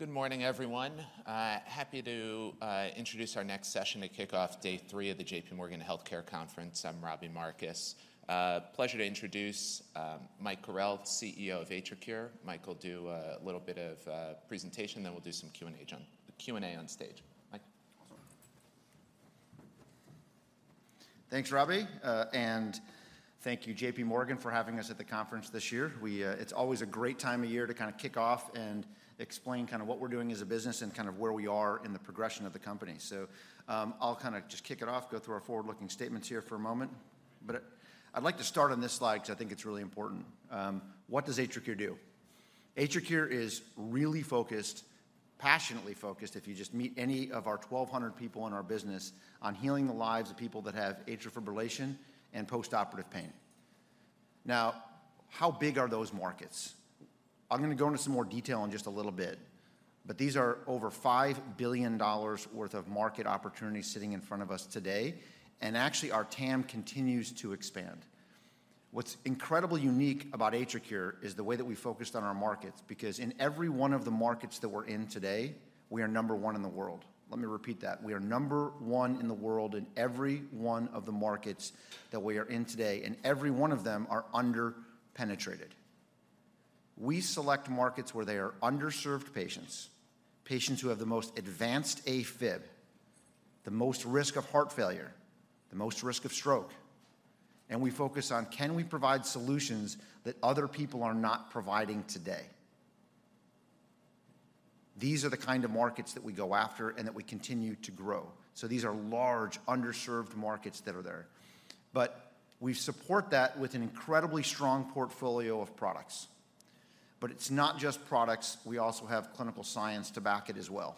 Good morning, everyone. Happy to introduce our next session to kick off day three of the JPMorgan Healthcare Conference. I'm Robbie Marcus. Pleasure to introduce Mike Carrel, CEO of AtriCure. Mike will do a little bit of presentation, then we'll do some Q&A on stage. Mike? Thanks, Robbie. And thank you, JPMorgan, for having us at the conference this year. It's always a great time of year to kind of kick off and explain kind of what we're doing as a business and kind of where we are in the progression of the company. So, I'll kind of just kick it off, go through our forward-looking statements here for a moment. But I'd like to start on this slide because I think it's really important. What does AtriCure do? AtriCure is really focused, passionately focused, if you just meet any of our 1,200 people in our business, on healing the lives of people that have atrial fibrillation and postoperative pain. Now, how big are those markets? I'm gonna go into some more detail in just a little bit, but these are over $5 billion worth of market opportunity sitting in front of us today, and actually, our TAM continues to expand. What's incredibly unique about AtriCure is the way that we focused on our markets, because in every one of the markets that we're in today, we are number one in the world. Let me repeat that. We are number one in the world in every one of the markets that we are in today, and every one of them are under-penetrated. We select markets where they are underserved patients, patients who have the most advanced AFib, the most risk of heart failure, the most risk of stroke, and we focus on: Can we provide solutions that other people are not providing today? These are the kind of markets that we go after and that we continue to grow. So these are large, underserved markets that are there. But we support that with an incredibly strong portfolio of products. But it's not just products, we also have clinical science to back it as well.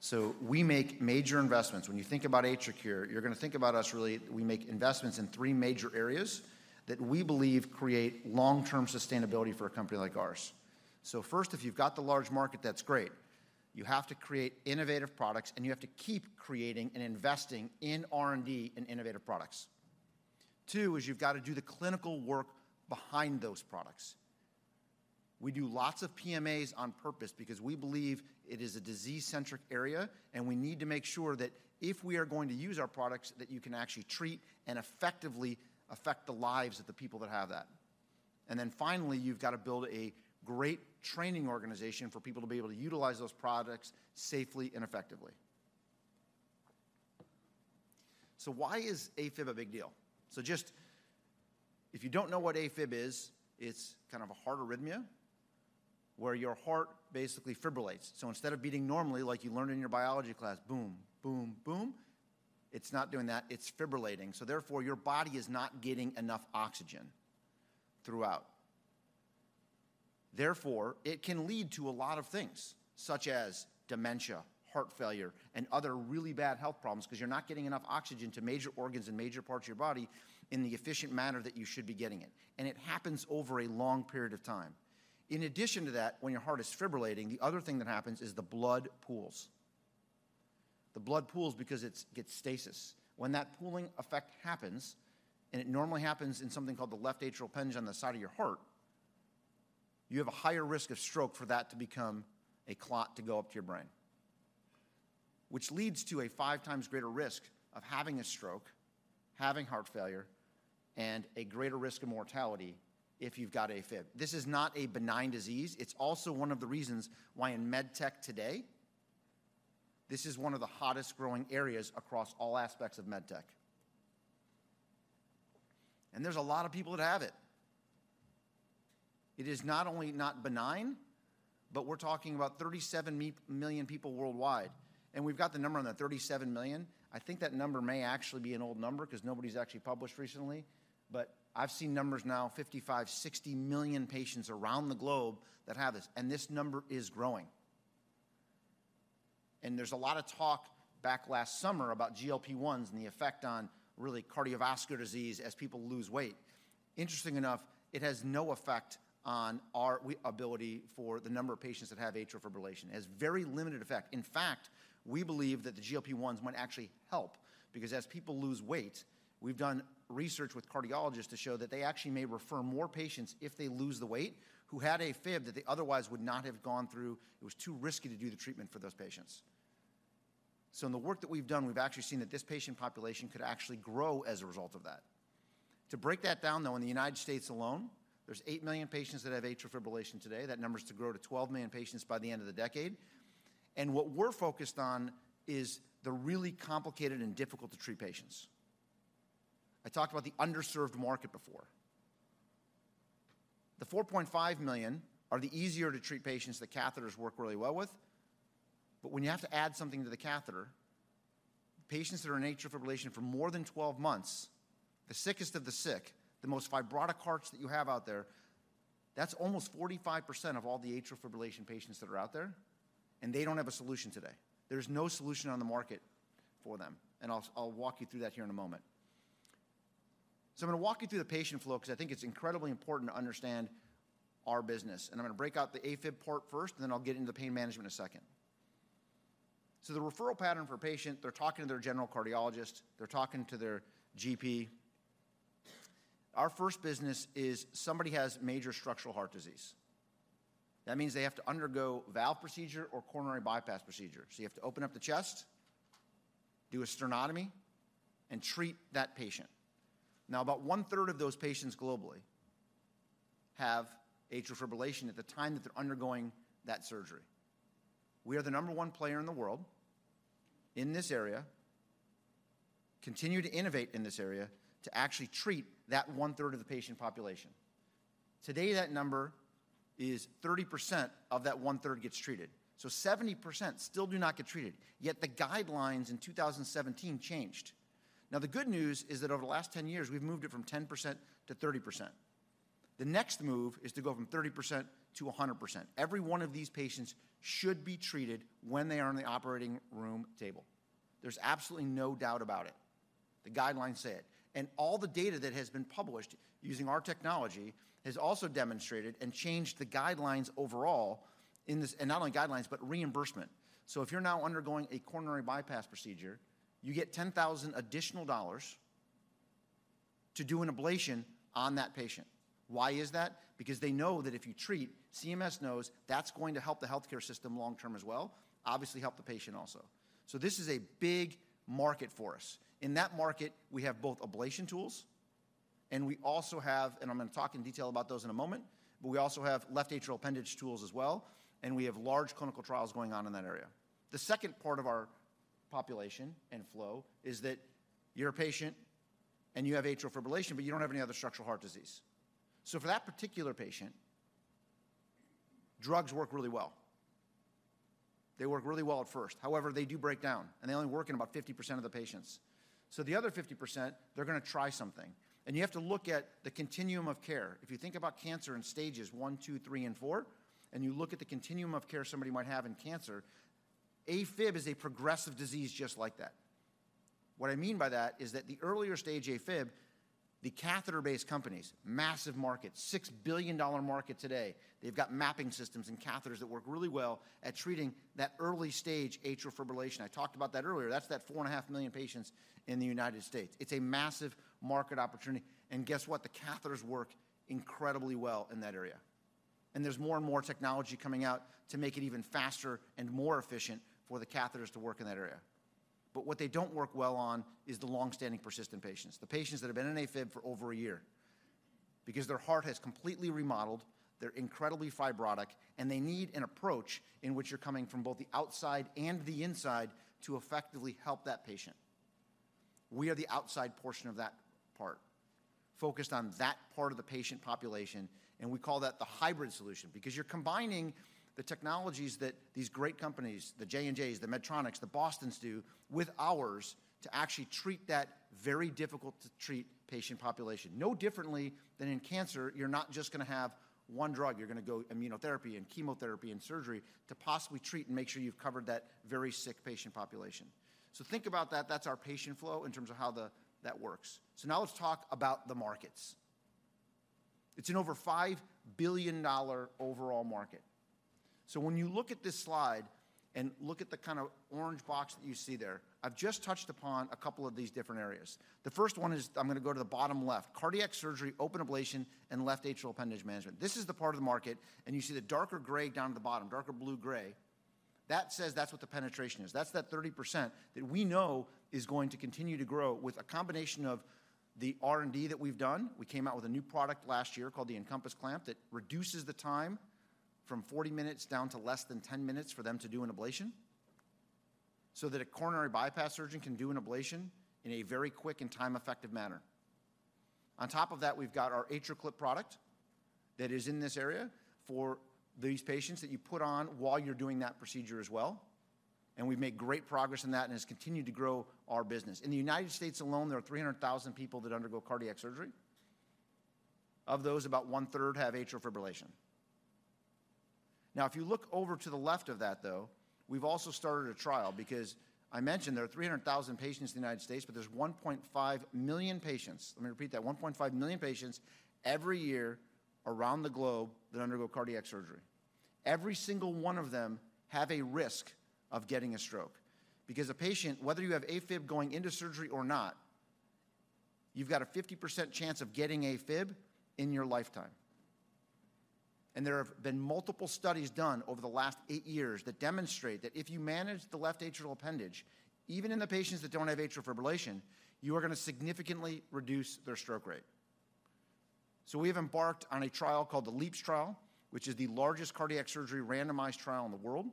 So we make major investments. When you think about AtriCure, you're gonna think about us, really, we make investments in three major areas that we believe create long-term sustainability for a company like ours. So first, if you've got the large market, that's great. You have to create innovative products, and you have to keep creating and investing in R&D and innovative products. Two, is you've got to do the clinical work behind those products. We do lots of PMAs on purpose because we believe it is a disease-centric area, and we need to make sure that if we are going to use our products, that you can actually treat and effectively affect the lives of the people that have that. And then finally, you've got to build a great training organization for people to be able to utilize those products safely and effectively. So why is AFib a big deal? So just... If you don't know what AFib is, it's kind of a heart arrhythmia, where your heart basically fibrillates. So instead of beating normally, like you learned in your biology class, boom, boom, boom, it's not doing that. It's fibrillating. So therefore, your body is not getting enough oxygen throughout. Therefore, it can lead to a lot of things, such as dementia, heart failure, and other really bad health problems because you're not getting enough oxygen to major organs and major parts of your body in the efficient manner that you should be getting it, and it happens over a long period of time. In addition to that, when your heart is fibrillating, the other thing that happens is the blood pools. The blood pools because it's, gets stasis. When that pooling effect happens, and it normally happens in something called the left atrial appendage on the side of your heart, you have a higher risk of stroke for that to become a clot to go up to your brain, which leads to a five times greater risk of having a stroke, having heart failure, and a greater risk of mortality if you've got AFib. This is not a benign disease. It's also one of the reasons why in med tech today, this is one of the hottest growing areas across all aspects of med tech. And there's a lot of people that have it. It is not only not benign, but we're talking about 37 million people worldwide, and we've got the number on that, 37 million. I think that number may actually be an old number because nobody's actually published recently, but I've seen numbers now, 55-60 million patients around the globe that have this, and this number is growing. And there's a lot of talk back last summer about GLP-1s and the effect on really cardiovascular disease as people lose weight. Interesting enough, it has no effect on our ability for the number of patients that have atrial fibrillation. It has very limited effect. In fact, we believe that the GLP-1s might actually help because as people lose weight, we've done research with cardiologists to show that they actually may refer more patients if they lose the weight, who had AFib, that they otherwise would not have gone through... It was too risky to do the treatment for those patients. So in the work that we've done, we've actually seen that this patient population could actually grow as a result of that. To break that down, though, in the United States alone, there's 8 million patients that have atrial fibrillation today. That number is to grow to 12 million patients by the end of the decade. And what we're focused on is the really complicated and difficult-to-treat patients. I talked about the underserved market before. The 4.5 million are the easier-to-treat patients that catheters work really well with. But when you have to add something to the catheter, patients that are in atrial fibrillation for more than 12 months, the sickest of the sick, the most fibrotic hearts that you have out there, that's almost 45% of all the atrial fibrillation patients that are out there, and they don't have a solution today. There's no solution on the market for them, and I'll, I'll walk you through that here in a moment. So I'm gonna walk you through the patient flow because I think it's incredibly important to understand our business, and I'm going to break out the AFib part first, and then I'll get into pain management in a second... So the referral pattern for a patient, they're talking to their general cardiologist, they're talking to their GP. Our first business is somebody has major structural heart disease. That means they have to undergo valve procedure or coronary bypass procedure. So you have to open up the chest, do a sternotomy, and treat that patient. Now, about one-third of those patients globally have atrial fibrillation at the time that they're undergoing that surgery. We are the number one player in the world in this area, continue to innovate in this area to actually treat that one-third of the patient population. Today, that number is 30% of that one-third gets treated, so 70% still do not get treated, yet the guidelines in 2017 changed. Now, the good news is that over the last 10 years, we've moved it from 10% to 30%. The next move is to go from 30% to 100%. Every one of these patients should be treated when they are on the operating room table. There's absolutely no doubt about it. The guidelines say it, and all the data that has been published using our technology has also demonstrated and changed the guidelines overall in this, and not only guidelines, but reimbursement. So if you're now undergoing a coronary bypass procedure, you get $10,000 additional dollars to do an ablation on that patient. Why is that? Because they know that if you treat, CMS knows that's going to help the healthcare system long-term as well, obviously, help the patient also. So this is a big market for us. In that market, we have both ablation tools, and we also have... And I'm gonna talk in detail about those in a moment, but we also have left atrial appendage tools as well, and we have large clinical trials going on in that area. The second part of our population and flow is that you're a patient and you have atrial fibrillation, but you don't have any other structural heart disease. So for that particular patient, drugs work really well. They work really well at first. However, they do break down, and they only work in about 50% of the patients. So the other 50%, they're gonna try something, and you have to look at the continuum of care. If you think about cancer in stages one, two, three, and four, and you look at the continuum of care somebody might have in cancer, AFib is a progressive disease just like that. What I mean by that is that the earlier stage AFib, the catheter-based companies, massive market, $6 billion market today. They've got mapping systems and catheters that work really well at treating that early-stage atrial fibrillation. I talked about that earlier. That's that 4.5 million patients in the United States. It's a massive market opportunity, and guess what? The catheters work incredibly well in that area, and there's more and more technology coming out to make it even faster and more efficient for the catheters to work in that area. But what they don't work well on is the long-standing persistent patients, the patients that have been in AFib for over a year because their heart has completely remodeled, they're incredibly fibrotic, and they need an approach in which you're coming from both the outside and the inside to effectively help that patient. We are the outside portion of that part, focused on that part of the patient population, and we call that the hybrid solution because you're combining the technologies that these great companies, the J&Js, the Medtronic, the Bostons do, with ours to actually treat that very difficult-to-treat patient population. No differently than in cancer, you're not just gonna have one drug. You're gonna go immunotherapy and chemotherapy and surgery to possibly treat and make sure you've covered that very sick patient population. So think about that. That's our patient flow in terms of how the, that works. So now let's talk about the markets. It's an over $5 billion overall market. So when you look at this slide and look at the kind of orange box that you see there, I've just touched upon a couple of these different areas. The first one is, I'm gonna go to the bottom left, cardiac surgery, open ablation, and left atrial appendage management. This is the part of the market, and you see the darker gray down at the bottom, darker blue gray. That says that's what the penetration is. That's that 30% that we know is going to continue to grow with a combination of the R&D that we've done. We came out with a new product last year called the EnCompass Clamp, that reduces the time from 40 minutes down to less than 10 minutes for them to do an ablation, so that a coronary bypass surgeon can do an ablation in a very quick and time-effective manner. On top of that, we've got our AtriClip product that is in this area for these patients that you put on while you're doing that procedure as well, and we've made great progress in that, and it's continued to grow our business. In the United States alone, there are 300,000 people that undergo cardiac surgery. Of those, about one-third have atrial fibrillation. Now, if you look over to the left of that, though, we've also started a trial because I mentioned there are 300,000 patients in the United States, but there's 1.5 million patients, let me repeat that, 1.5 million patients every year around the globe that undergo cardiac surgery. Every single one of them have a risk of getting a stroke because a patient, whether you have AFib going into surgery or not, you've got a 50% chance of getting AFib in your lifetime. There have been multiple studies done over the last eight years that demonstrate that if you manage the left atrial appendage, even in the patients that don't have atrial fibrillation, you are gonna significantly reduce their stroke rate. We have embarked on a trial called the LeAAPS Trial, which is the largest cardiac surgery randomized trial in the world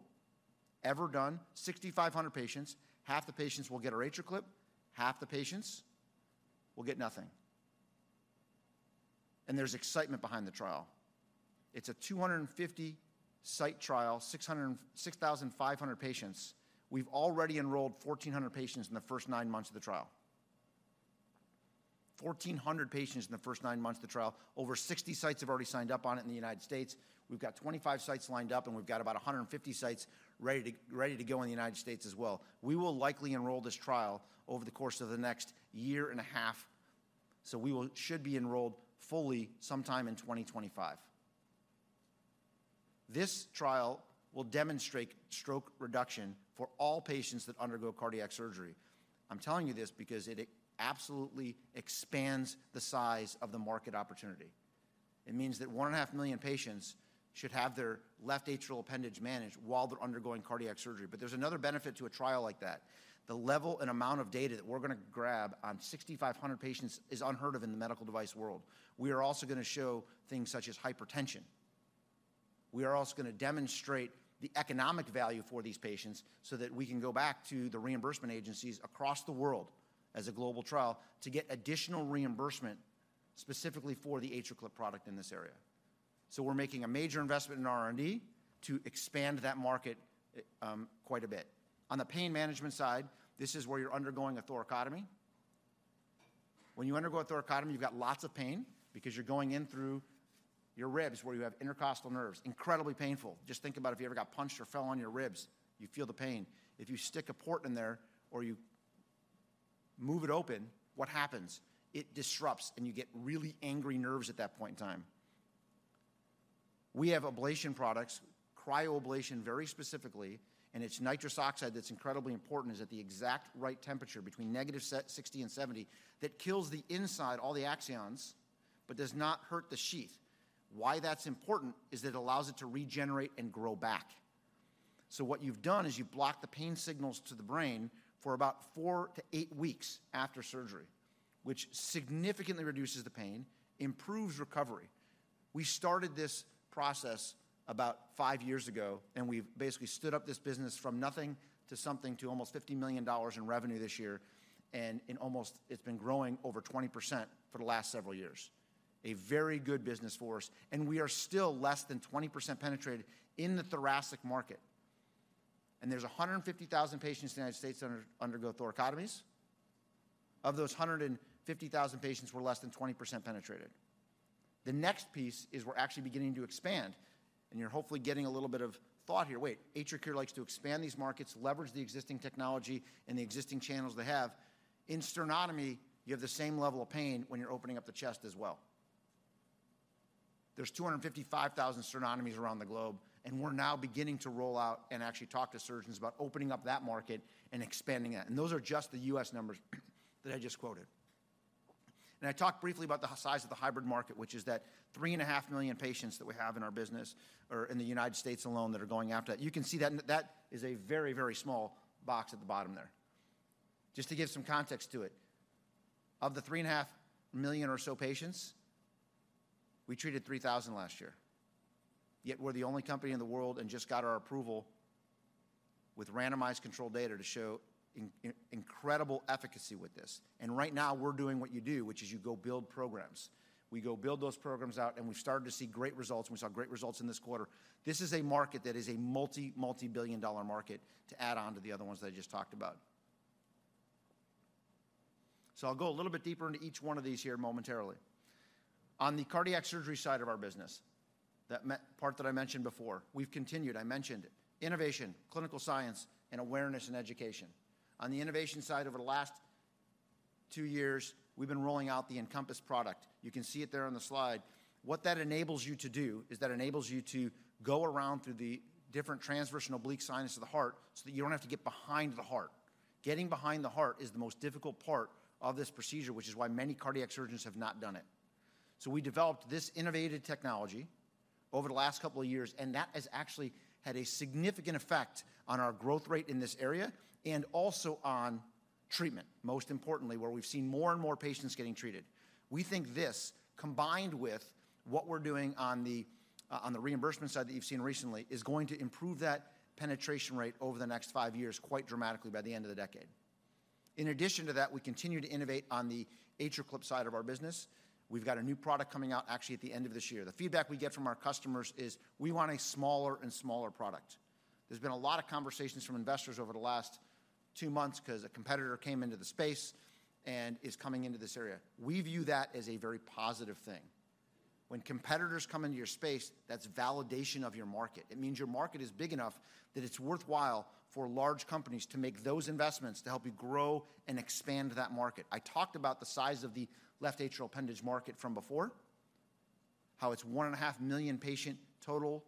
ever done. 6,500 patients, half the patients will get our AtriClip, half the patients will get nothing. There's excitement behind the trial. It's a 250-site trial, 6,500 patients. We've already enrolled 1,400 patients in the first nine months of the trial. 1,400 patients in the first nine months of the trial. Over 60 sites have already signed up on it in the United States. We've got 25 sites lined up, and we've got about 150 sites ready to go in the United States as well. We will likely enroll this trial over the course of the next year and a half, so we will, should be enrolled fully sometime in 2025.... This trial will demonstrate stroke reduction for all patients that undergo cardiac surgery. I'm telling you this because it absolutely expands the size of the market opportunity. It means that 1.5 million patients should have their left atrial appendage managed while they're undergoing cardiac surgery. But there's another benefit to a trial like that. The level and amount of data that we're gonna grab on 6,500 patients is unheard of in the medical device world. We are also gonna show things such as hypertension. We are also gonna demonstrate the economic value for these patients so that we can go back to the reimbursement agencies across the world as a global trial, to get additional reimbursement specifically for the AtriClip product in this area. So we're making a major investment in R&D to expand that market, quite a bit. On the pain management side, this is where you're undergoing a thoracotomy. When you undergo a thoracotomy, you've got lots of pain because you're going in through your ribs where you have intercostal nerves. Incredibly painful. Just think about if you ever got punched or fell on your ribs, you'd feel the pain. If you stick a port in there or you move it open, what happens? It disrupts, and you get really angry nerves at that point in time. We have ablation products, cryoablation, very specifically, and it's nitrous oxide that's incredibly important, is at the exact right temperature, between -60 and -70, that kills the inside, all the axons, but does not hurt the sheath. Why that's important is it allows it to regenerate and grow back. So what you've done is you've blocked the pain signals to the brain for about 4-8 weeks after surgery, which significantly reduces the pain, improves recovery. We started this process about 5 years ago, and we've basically stood up this business from nothing to something to almost $50 million in revenue this year, and it's been growing over 20% for the last several years. A very good business for us, and we are still less than 20% penetrated in the thoracic market, and there's 150,000 patients in the United States that undergo thoracotomies. Of those 150,000 patients, we're less than 20% penetrated. The next piece is we're actually beginning to expand, and you're hopefully getting a little bit of thought here. Wait, AtriCure likes to expand these markets, leverage the existing technology and the existing channels they have. In sternotomy, you have the same level of pain when you're opening up the chest as well. There's 255,000 sternotomies around the globe, and we're now beginning to roll out and actually talk to surgeons about opening up that market and expanding it. And those are just the U.S. numbers that I just quoted. I talked briefly about the size of the hybrid market, which is that 3.5 million patients that we have in our business or in the United States alone, that are going after that. You can see that, that is a very, very small box at the bottom there. Just to give some context to it, of the 3.5 million or so patients, we treated 3,000 last year. Yet we're the only company in the world and just got our approval with randomized controlled data to show incredible efficacy with this. And right now we're doing what you do, which is you go build programs. We go build those programs out, and we've started to see great results, and we saw great results in this quarter. This is a market that is a multi, multi-billion dollar market to add on to the other ones that I just talked about. So I'll go a little bit deeper into each one of these here momentarily. On the cardiac surgery side of our business, that part that I mentioned before, we've continued. I mentioned it, innovation, clinical science, and awareness and education. On the innovation side, over the last two years, we've been rolling out the EnCompass product. You can see it there on the slide. What that enables you to do is that enables you to go around through the different transverse and oblique sinus of the heart, so that you don't have to get behind the heart. Getting behind the heart is the most difficult part of this procedure, which is why many cardiac surgeons have not done it. So we developed this innovative technology over the last couple of years, and that has actually had a significant effect on our growth rate in this area and also on treatment, most importantly, where we've seen more and more patients getting treated. We think this, combined with what we're doing on the, on the reimbursement side that you've seen recently, is going to improve that penetration rate over the next five years, quite dramatically by the end of the decade. In addition to that, we continue to innovate on the AtriClip side of our business. We've got a new product coming out actually at the end of this year. The feedback we get from our customers is, "We want a smaller and smaller product." There's been a lot of conversations from investors over the last two months because a competitor came into the space and is coming into this area. We view that as a very positive thing. When competitors come into your space, that's validation of your market. It means your market is big enough that it's worthwhile for large companies to make those investments to help you grow and expand that market. I talked about the size of the left atrial appendage market from before, how it's 1.5 million patients total.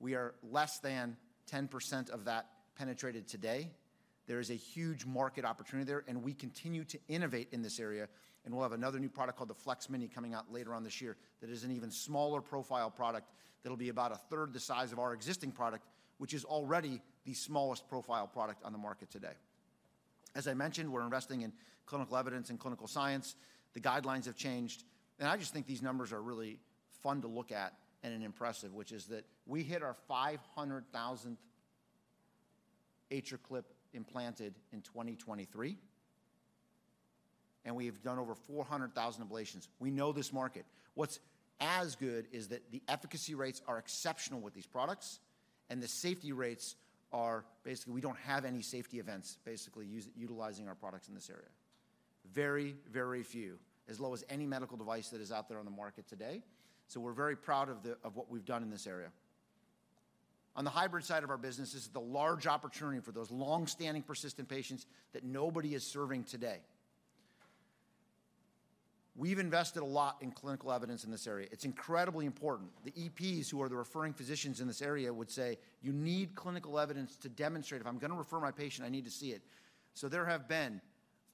We are less than 10% of that penetrated today. There is a huge market opportunity there, and we continue to innovate in this area, and we'll have another new product called the Flex Mini, coming out later on this year, that is an even smaller profile product, that'll be about a third the size of our existing product, which is already the smallest profile product on the market today. As I mentioned, we're investing in clinical evidence and clinical science. The guidelines have changed, and I just think these numbers are really fun to look at and, and impressive, which is that we hit our 500,000 AtriClip implanted in 2023, and we have done over 400,000 ablations. We know this market. What's as good is that the efficacy rates are exceptional with these products, and the safety rates are... Basically, we don't have any safety events, basically, utilizing our products in this area. Very, very few, as low as any medical device that is out there on the market today. So we're very proud of the, of what we've done in this area. On the hybrid side of our business, this is the large opportunity for those long-standing, persistent patients that nobody is serving today.... We've invested a lot in clinical evidence in this area. It's incredibly important. The EPs, who are the referring physicians in this area, would say, "You need clinical evidence to demonstrate. If I'm gonna refer my patient, I need to see it." So there have been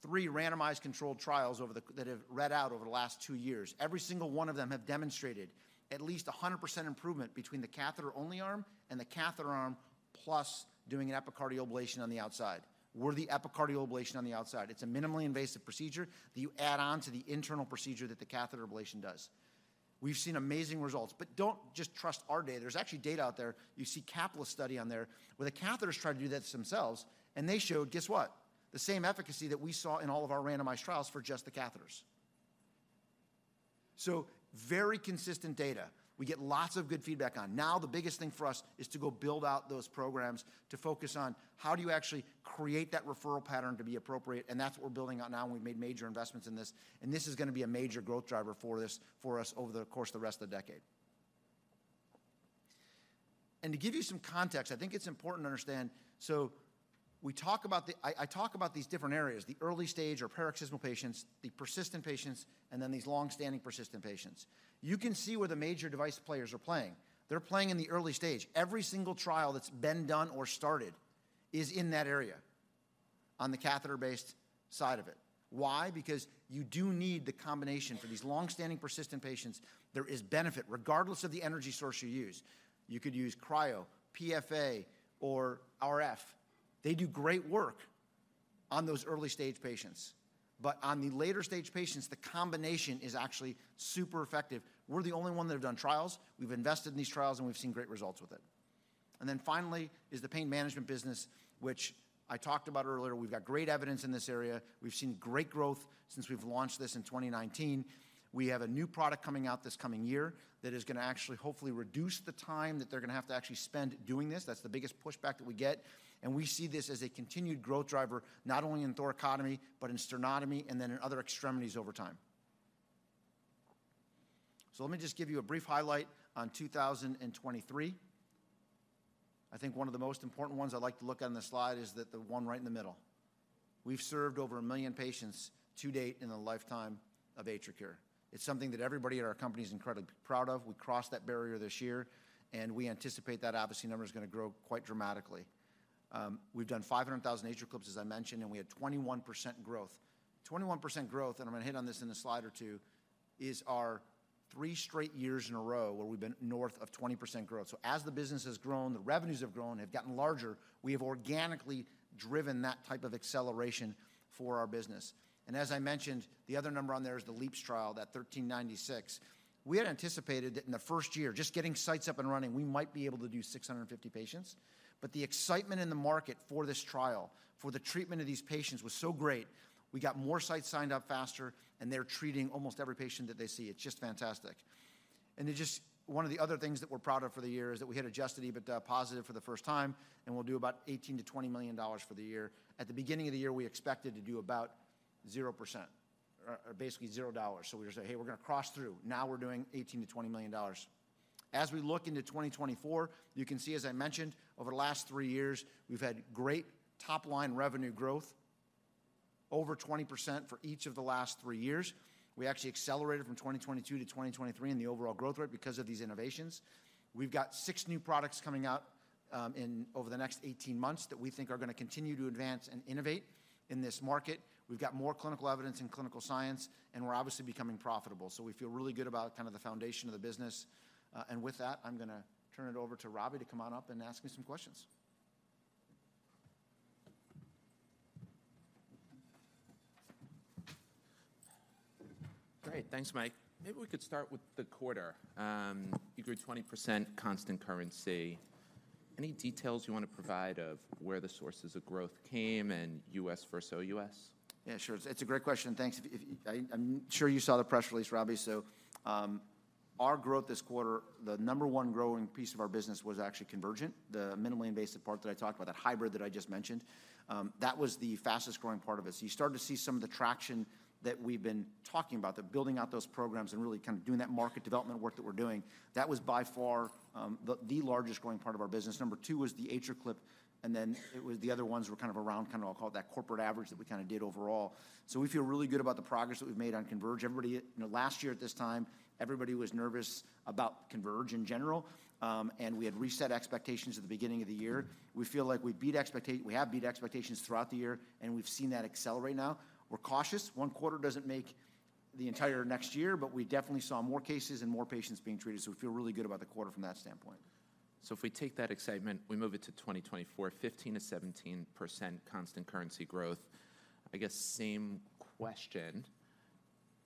three randomized controlled trials over that have read out over the last two years. Every single one of them have demonstrated at least 100% improvement between the catheter-only arm and the catheter arm, plus doing an epicardial ablation on the outside, where the epicardial ablation on the outside. It's a minimally invasive procedure that you add on to the internal procedure that the catheter ablation does. We've seen amazing results. But don't just trust our data. There's actually data out there. You see CAPLA study on there, where the catheters tried to do that themselves, and they showed, guess what? The same efficacy that we saw in all of our randomized trials for just the catheters. So very consistent data. We get lots of good feedback on. Now, the biggest thing for us is to go build out those programs, to focus on how do you actually create that referral pattern to be appropriate, and that's what we're building on now, and we've made major investments in this, and this is gonna be a major growth driver for this, for us over the course of the rest of the decade. To give you some context, I think it's important to understand, so we talk about the... I, I talk about these different areas, the early stage or paroxysmal patients, the persistent patients, and then these long-standing persistent patients. You can see where the major device players are playing. They're playing in the early stage. Every single trial that's been done or started is in that area, on the catheter-based side of it. Why? Because you do need the combination. For these long-standing persistent patients, there is benefit, regardless of the energy source you use. You could use cryo, PFA, or RF. They do great work on those early-stage patients, but on the later-stage patients, the combination is actually super effective. We're the only one that have done trials. We've invested in these trials, and we've seen great results with it. And then finally is the pain management business, which I talked about earlier. We've got great evidence in this area. We've seen great growth since we've launched this in 2019. We have a new product coming out this coming year that is gonna actually hopefully reduce the time that they're gonna have to actually spend doing this. That's the biggest pushback that we get, and we see this as a continued growth driver, not only in thoracotomy, but in sternotomy and then in other extremities over time. So let me just give you a brief highlight on 2023. I think one of the most important ones I'd like to look on the slide is that the one right in the middle. We've served over 1 million patients to date in the lifetime of AtriCure. It's something that everybody at our company is incredibly proud of. We crossed that barrier this year, and we anticipate that obviously number is gonna grow quite dramatically. We've done 500,000 AtriClips, as I mentioned, and we had 21% growth. 21% growth, and I'm gonna hit on this in a slide or two, is our three straight years in a row where we've been north of 20% growth. So as the business has grown, the revenues have grown, have gotten larger, we have organically driven that type of acceleration for our business. And as I mentioned, the other number on there is the LeAAPS trial, that 1,396. We had anticipated that in the first year, just getting sites up and running, we might be able to do 650 patients. But the excitement in the market for this trial, for the treatment of these patients, was so great, we got more sites signed up faster, and they're treating almost every patient that they see. It's just fantastic. And then just one of the other things that we're proud of for the year is that we hit Adjusted EBITDA positive for the first time, and we'll do about $18 million-$20 million for the year. At the beginning of the year, we expected to do about 0% or, or basically $0. So we just said, "Hey, we're gonna cross through." Now we're doing $18 million-$20 million. As we look into 2024, you can see, as I mentioned, over the last three years, we've had great top-line revenue growth, over 20% for each of the last three years. We actually accelerated from 2022 to 2023 in the overall growth rate because of these innovations. We've got six new products coming out in over the next 18 months that we think are gonna continue to advance and innovate in this market. We've got more clinical evidence and clinical science, and we're obviously becoming profitable. So we feel really good about kind of the foundation of the business, and with that, I'm gonna turn it over to Robbie to come on up and ask me some questions. Great. Thanks, Mike. Maybe we could start with the quarter. You grew 20% constant currency. Any details you want to provide of where the sources of growth came and U.S. versus OUS? Yeah, sure. It's a great question. Thanks. If I'm sure you saw the press release, Robbie. So, our growth this quarter, the number one growing piece of our business was actually Convergent, the minimally invasive part that I talked about, that hybrid that I just mentioned. That was the fastest-growing part of it. So you started to see some of the traction that we've been talking about, the building out those programs and really kind of doing that market development work that we're doing. That was by far the largest growing part of our business. Number two was the AtriClip, and then it was the other ones were kind of around, kind of, I'll call it that corporate average that we kind of did overall. So we feel really good about the progress that we've made on Converge. Everybody, you know, last year at this time, everybody was nervous about Converge in general, and we had reset expectations at the beginning of the year. We feel like we have beat expectations throughout the year, and we've seen that accelerate now. We're cautious. One quarter doesn't make the entire next year, but we definitely saw more cases and more patients being treated, so we feel really good about the quarter from that standpoint. So if we take that excitement, we move it to 2024, 15%-17% constant currency growth. I guess same question.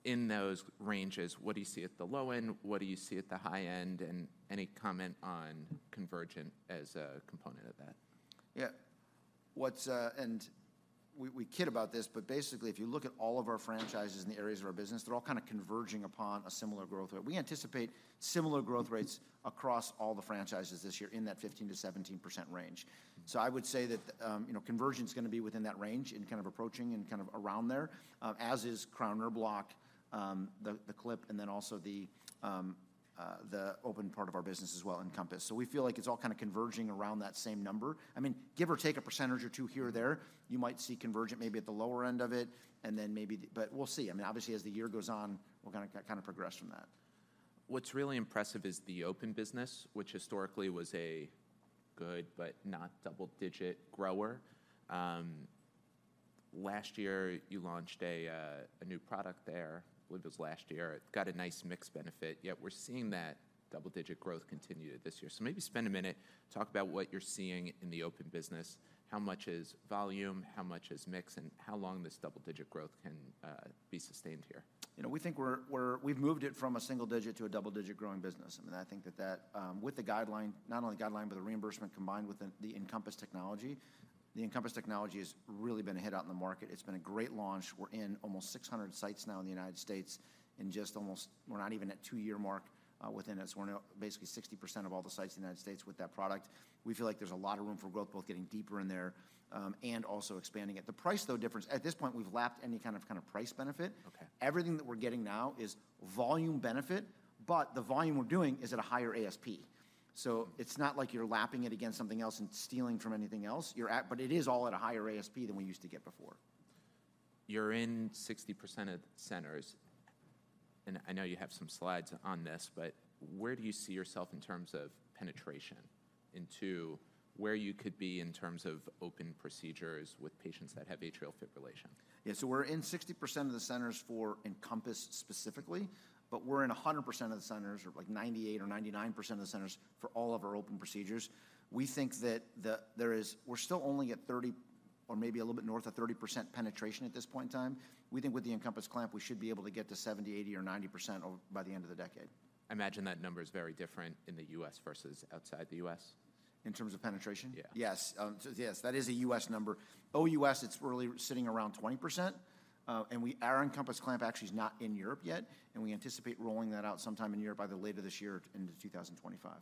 In those ranges, what do you see at the low end, what do you see at the high end, and any comment on Convergent as a component of that? Yeah. What's... We kid about this, but basically, if you look at all of our franchises in the areas of our business, they're all kind of converging upon a similar growth rate. We anticipate similar growth rates across all the franchises this year in that 15%-17% range. So I would say that, you know, Converge is gonna be within that range in kind of approaching and kind of around there, as is Cryo Nerve Block, the clip, and then also the open part of our business as well, EnCompass. So we feel like it's all kind of converging around that same number. I mean, give or take a percentage or two here or there, you might see Converge maybe at the lower end of it, and then maybe the—but we'll see. I mean, obviously, as the year goes on, we're gonna kind of progress from that.... What's really impressive is the open business, which historically was a good but not double-digit grower. Last year, you launched a new product there. I believe it was last year. It got a nice mix benefit, yet we're seeing that double-digit growth continue this year. So maybe spend a minute, talk about what you're seeing in the open business. How much is volume, how much is mix, and how long this double-digit growth can be sustained here? You know, we think we're, we've moved it from a single-digit to a double-digit growing business. I mean, I think that with the guideline, not only the guideline, but the reimbursement combined with the EnCompass technology, the EnCompass technology has really been a hit out in the market. It's been a great launch. We're in almost 600 sites now in the United States, in just almost two years. We're not even at the two-year mark within it. So we're now basically 60% of all the sites in the United States with that product. We feel like there's a lot of room for growth, both getting deeper in there and also expanding it. The price, though, difference at this point, we've lapped any kind of price benefit. Okay. Everything that we're getting now is volume benefit, but the volume we're doing is at a higher ASP. So it's not like you're lapping it against something else and stealing from anything else. But it is all at a higher ASP than we used to get before. You're in 60% of the centers, and I know you have some slides on this, but where do you see yourself in terms of penetration into where you could be in terms of open procedures with patients that have atrial fibrillation? Yeah, so we're in 60% of the centers for EnCompass specifically, but we're in 100% of the centers, or like 98% or 99% of the centers for all of our open procedures. We think that we're still only at 30% or maybe a little bit north of 30% penetration at this point in time. We think with the EnCompass clamp, we should be able to get to 70%, 80%, or 90% over by the end of the decade. I imagine that number is very different in the U.S. versus outside the U.S. In terms of penetration? Yeah. Yes. So yes, that is a U.S. number. OUS, it's really sitting around 20%, and we... Our EnCompass Clamp actually is not in Europe yet, and we anticipate rolling that out sometime in Europe by later this year into 2025.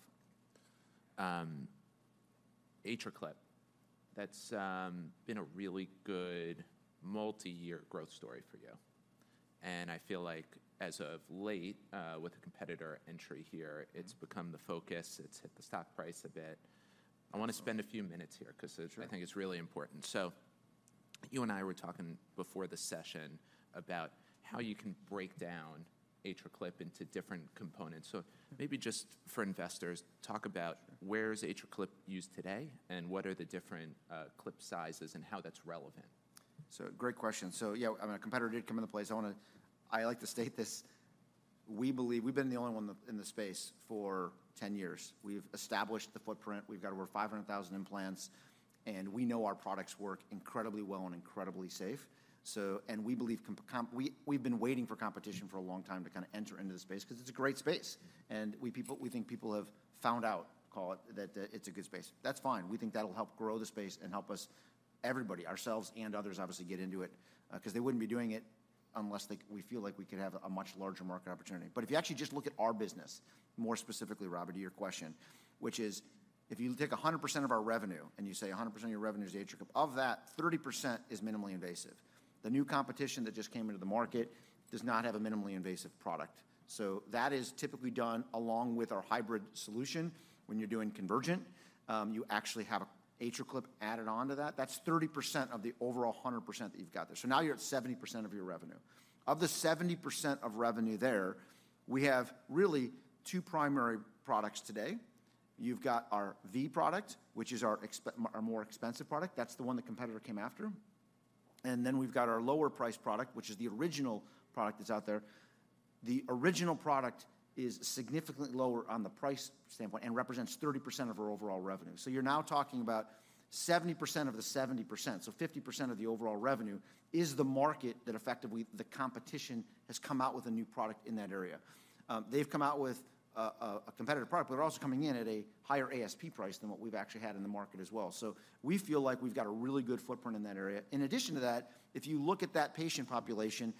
AtriClip, that's been a really good multi-year growth story for you. I feel like as of late, with the competitor entry here- Mm-hmm. It's become the focus, it's hit the stock price a bit. I want to spend a few minutes here- Sure. Because I think it's really important. So you and I were talking before the session about how you can break down AtriClip into different components. So maybe just for investors, talk about where is AtriClip used today, and what are the different clip sizes and how that's relevant. So great question. So yeah, I mean, a competitor did come into play. So I want to—I like to state this: we believe we've been the only one in the space for 10 years. We've established the footprint. We've got over 500,000 implants, and we know our products work incredibly well and incredibly safe. So we believe we've been waiting for competition for a long time to kind of enter into the space because it's a great space, and we think people have found out, call it, that it's a good space. That's fine. We think that'll help grow the space and help us, everybody, ourselves and others, obviously, get into it, because they wouldn't be doing it unless they—we feel like we could have a much larger market opportunity. But if you actually just look at our business, more specifically, Robert, to your question, which is, if you take 100% of our revenue, and you say 100% of your revenue is AtriClip. Of that, 30% is minimally invasive. The new competition that just came into the market does not have a minimally invasive product. So that is typically done along with our hybrid solution. When you're doing Convergent, you actually have a AtriClip added on to that. That's 30% of the overall 100% that you've got there. So now you're at 70% of your revenue. Of the 70% of revenue there, we have really two primary products today. You've got our V product, which is our more expensive product. That's the one the competitor came after. Then we've got our lower priced product, which is the original product that's out there. The original product is significantly lower on the price standpoint and represents 30% of our overall revenue. So you're now talking about 70% of the 70%. So 50% of the overall revenue is the market that effectively the competition has come out with a new product in that area. They've come out with a competitive product, but they're also coming in at a higher ASP price than what we've actually had in the market as well. So we feel like we've got a really good footprint in that area. In addition to that, if you look at that patient population,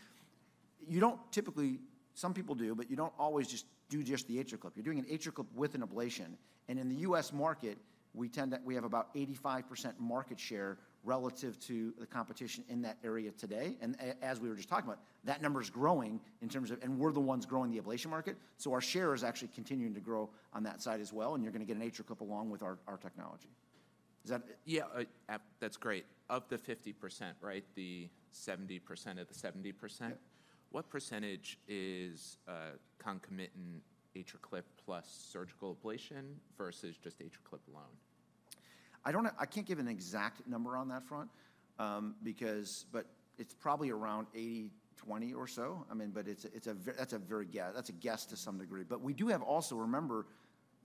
you don't typically, some people do, but you don't always just do just the AtriClip. You're doing an AtriClip with an ablation, and in the U.S. market, we tend to have about 85% market share relative to the competition in that area today. And as we were just talking about, that number is growing in terms of... And we're the ones growing the ablation market, so our share is actually continuing to grow on that side as well, and you're going to get an AtriClip along with our technology. Does that- Yeah, that's great. Of the 50%, right, the 70% of the 70%- Yeah. What percentage is concomitant AtriClip plus surgical ablation versus just AtriClip alone? I don't know. I can't give an exact number on that front, because... But it's probably around 80/20 or so. I mean, but that's a guess to some degree. But we do have also, remember,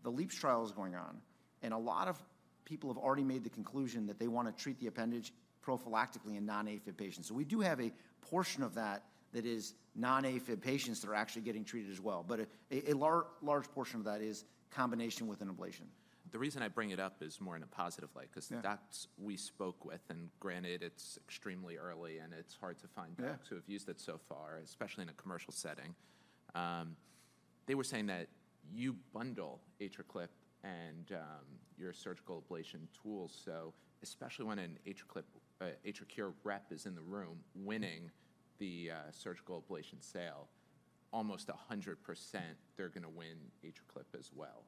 the LeAAPS trial is going on, and a lot of people have already made the conclusion that they want to treat the appendage prophylactically in non-AFib patients. So we do have a portion of that that is non-AFib patients that are actually getting treated as well. But a large portion of that is combination with an ablation. The reason I bring it up is more in a positive light- Yeah because the docs we spoke with, and granted, it's extremely early and it's hard to find- Yeah Docs who have used it so far, especially in a commercial setting. They were saying that you bundle AtriClip and your surgical ablation tools, so especially when an AtriClip AtriCure rep is in the room winning the surgical ablation sale, almost 100% they're going to win clip as well.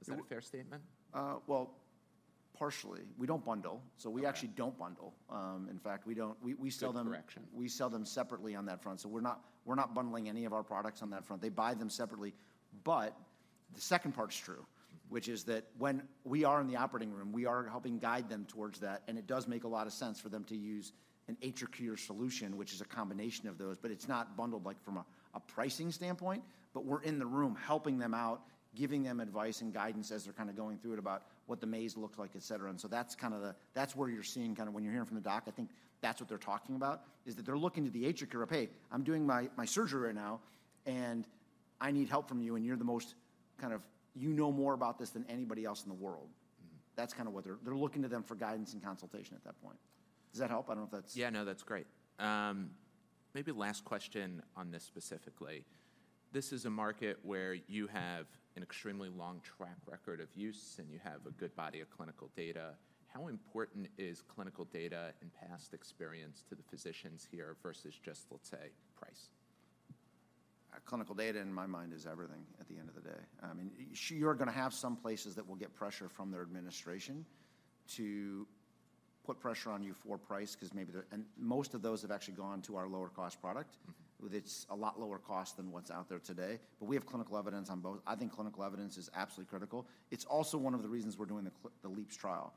Is that a fair statement? Well, partially. We don't bundle- Okay. So we actually don't bundle. In fact, we don't sell them- Good correction. We sell them separately on that front. So we're not, we're not bundling any of our products on that front. They buy them separately. But the second part's true, which is that when we are in the operating room, we are helping guide them towards that, and it does make a lot of sense for them to use an AtriCure solution, which is a combination of those, but it's not bundled, like, from a pricing standpoint. But we're in the room helping them out, giving them advice and guidance as they're kind of going through it, about what the maze looks like, et cetera. And so that's kind of the that's where you're seeing, kind of when you're hearing from the doc, I think that's what they're talking about, is that they're looking to the AtriCure of, "Hey, I'm doing my, my surgery right now, and I need help from you, and you're the most kind of... You know more about this than anybody else in the world. Mm-hmm. That's kind of what they're looking to them for guidance and consultation at that point. Does that help? I don't know if that's- Yeah, no, that's great. Maybe last question on this specifically. This is a market where you have an extremely long track record of use, and you have a good body of clinical data. How important is clinical data and past experience to the physicians here versus just, let's say, price? Clinical data, in my mind, is everything at the end of the day. I mean, you're gonna have some places that will get pressure from their administration to put pressure on you for price, 'cause maybe they're-- and most of those have actually gone to our lower-cost product. Mm-hmm. It's a lot lower cost than what's out there today, but we have clinical evidence on both. I think clinical evidence is absolutely critical. It's also one of the reasons we're doing the LeAAPS Trial.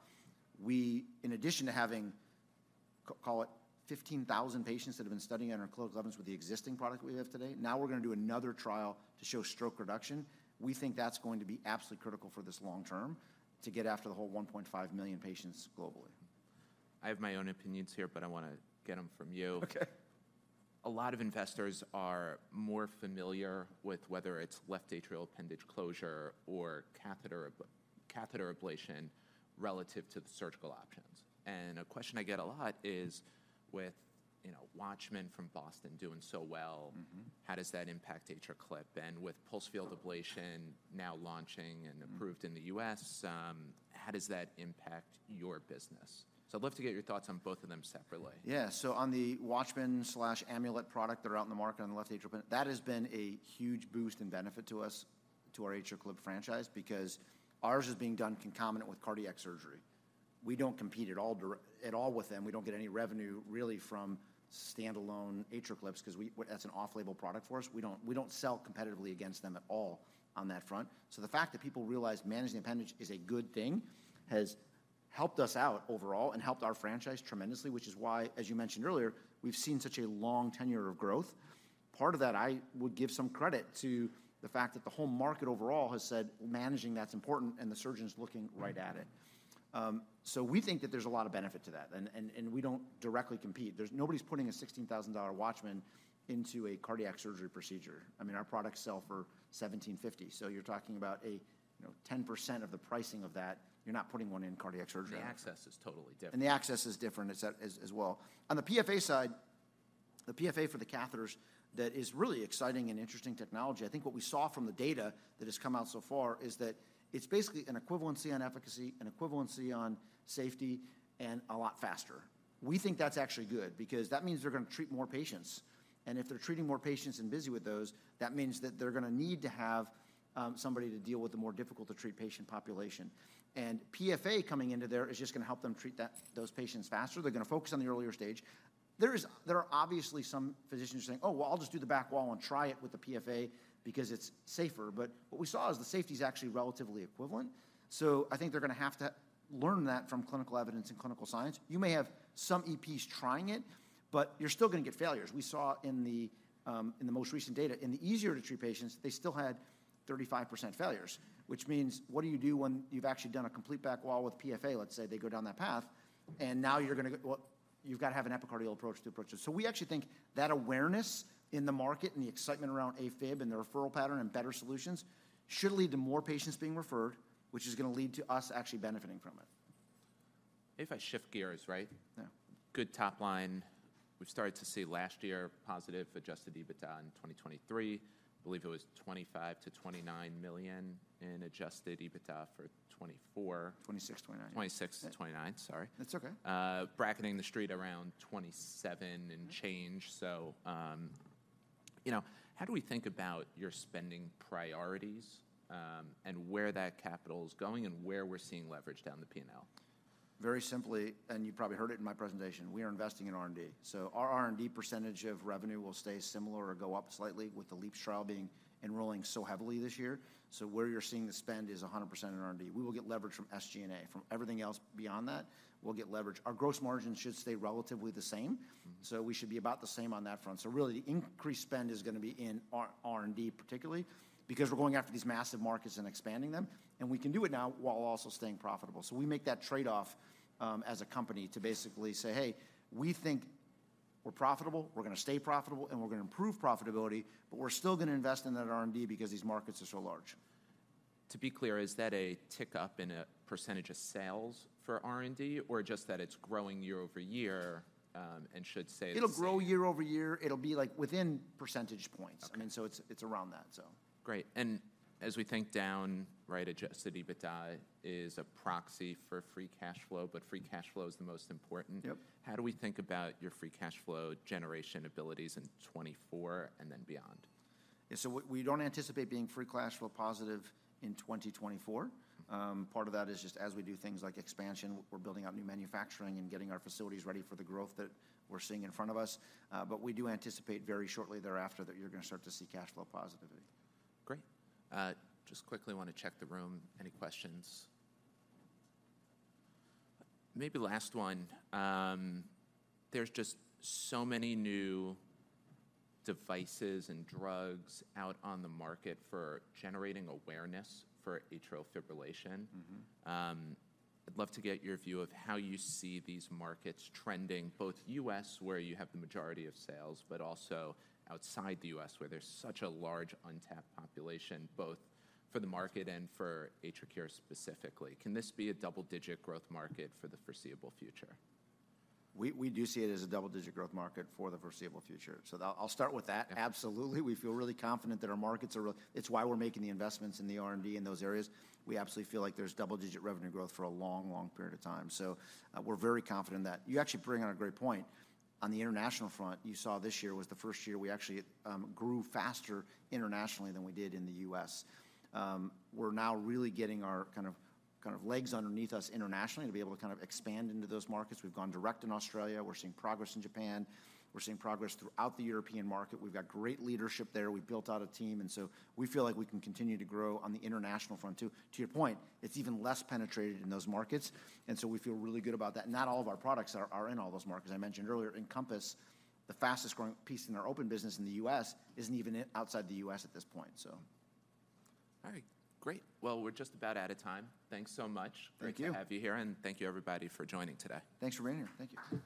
We, in addition to having call it 15,000 patients that have been studying on our clinical evidence with the existing product we have today, now we're gonna do another trial to show stroke reduction. We think that's going to be absolutely critical for this long term, to get after the whole 1.5 million patients globally. I have my own opinions here, but I wanna get them from you. Okay. A lot of investors are more familiar with whether it's left atrial appendage closure or catheter ablation relative to the surgical options. And a question I get a lot is with, you know, Watchman from Boston doing so well- Mm-hmm... how does that impact AtriClip? And with pulsed field ablation now launching- Mm-hmm and approved in the U.S., how does that impact your business? So I'd love to get your thoughts on both of them separately. Yeah. So on the Watchman/Amulet product that are out in the market on the left atrial appendage, that has been a huge boost and benefit to us, to our AtriClip franchise, because ours is being done concomitant with cardiac surgery. We don't compete at all at all with them. We don't get any revenue really from standalone AtriClips, 'cause that's an off-label product for us. We don't, we don't sell competitively against them at all on that front. So the fact that people realize managing the appendage is a good thing has helped us out overall and helped our franchise tremendously, which is why, as you mentioned earlier, we've seen such a long tenure of growth. Part of that, I would give some credit to the fact that the whole market overall has said managing that's important, and the surgeon's looking right at it. So we think that there's a lot of benefit to that, and we don't directly compete. There's nobody's putting a $16,000 Watchman into a cardiac surgery procedure. I mean, our products sell for $1,750. So you're talking about a, you know, 10% of the pricing of that. You're not putting one in cardiac surgery. The access is totally different. The access is different as that as well. On the PFA side, the PFA for the catheters, that is really exciting and interesting technology. I think what we saw from the data that has come out so far is that it's basically an equivalency on efficacy and equivalency on safety and a lot faster. We think that's actually good because that means they're gonna treat more patients. And if they're treating more patients and busy with those, that means that they're gonna need to have somebody to deal with the more difficult-to-treat patient population. And PFA coming into there is just gonna help them treat those patients faster. They're gonna focus on the earlier stage. There are obviously some physicians saying, "Oh, well, I'll just do the back wall and try it with the PFA because it's safer." But what we saw is the safety is actually relatively equivalent, so I think they're gonna have to learn that from clinical evidence and clinical science. You may have some EPs trying it, but you're still gonna get failures. We saw in the in the most recent data, in the easier-to-treat patients, they still had 35% failures, which means, what do you do when you've actually done a complete back wall with PFA? Let's say they go down that path, and now you're gonna go, well, you've got to have an epicardial approach to approach it. So we actually think that awareness in the market and the excitement around AFib and the referral pattern and better solutions should lead to more patients being referred, which is gonna lead to us actually benefiting from it. If I shift gears, right? Yeah. Good top line. We've started to see last year, positive Adjusted EBITDA in 2023. I believe it was $25 million-$29 million in Adjusted EBITDA for 2024. 26 to 29. 26-29. Sorry. That's okay. Bracketing the street around 27 and change. So, you know, how do we think about your spending priorities, and where that capital is going, and where we're seeing leverage down the P&L? Very simply, and you probably heard it in my presentation, we are investing in R&D. So our R&D percentage of revenue will stay similar or go up slightly with the LeAAPS Trial being enrolling so heavily this year. So where you're seeing the spend is 100% in R&D. We will get leverage from SG&A. From everything else beyond that, we'll get leverage. Our gross margins should stay relatively the same- Mm-hmm... so we should be about the same on that front. So really, the increased spend is gonna be in R&D, particularly, because we're going after these massive markets and expanding them, and we can do it now while also staying profitable. So we make that trade-off, as a company to basically say, "Hey, we think we're profitable, we're gonna stay profitable, and we're gonna improve profitability, but we're still gonna invest in that R&D because these markets are so large. To be clear, is that a tick-up in a percentage of sales for R&D, or just that it's growing year-over-year, and should stay the same? It'll grow year-over-year. It'll be, like, within percentage points. Okay. I mean, so it's, it's around that, so... Great. As we think down, right, Adjusted EBITDA is a proxy for free cash flow, but free cash flow is the most important. Yep. How do we think about your free cash flow generation abilities in 2024 and then beyond? We don't anticipate being free cash flow positive in 2024. Part of that is just as we do things like expansion, we're building out new manufacturing and getting our facilities ready for the growth that we're seeing in front of us. But we do anticipate very shortly thereafter that you're gonna start to see cash flow positivity. Great. Just quickly wanna check the room. Any questions? Maybe last one. There's just so many new devices and drugs out on the market for generating awareness for atrial fibrillation. Mm-hmm. I'd love to get your view of how you see these markets trending, both U.S., where you have the majority of sales, but also outside the U.S., where there's such a large untapped population, both for the market and for AtriCure specifically. Can this be a double-digit growth market for the foreseeable future? We do see it as a double-digit growth market for the foreseeable future. So I'll start with that. Yeah. Absolutely, we feel really confident that our markets are really... It's why we're making the investments in the R&D in those areas. We absolutely feel like there's double-digit revenue growth for a long, long period of time. So, we're very confident in that. You actually bring out a great point. On the international front, you saw this year was the first year we actually grew faster internationally than we did in the U.S. We're now really getting our kind of, kind of legs underneath us internationally to be able to kind of expand into those markets. We've gone direct in Australia. We're seeing progress in Japan. We're seeing progress throughout the European market. We've got great leadership there. We've built out a team, and so we feel like we can continue to grow on the international front, too. To your point, it's even less penetrated in those markets, and so we feel really good about that. Not all of our products are in all those markets. I mentioned earlier, EnCompass, the fastest growing piece in our open business in the U.S., isn't even outside the U.S. at this point, so. All right, great. Well, we're just about out of time. Thanks so much. Thank you. Great to have you here, and thank you, everybody, for joining today. Thanks for being here. Thank you.